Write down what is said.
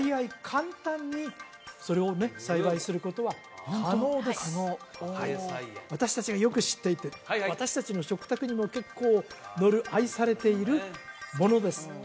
簡単にそれをね栽培することは可能です可能お私達がよく知っていて私達の食卓にも結構のる愛されているものです